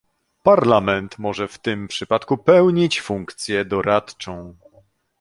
Parlament może w tym przypadku pełnić funkcję doradczą